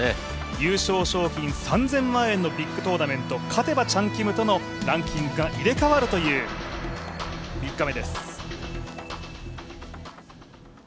優勝賞金３０００万円のビッグトーナメント勝てばチャン・キムとのランキングが入れ替わるという３日目です。